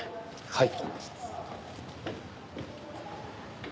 はい。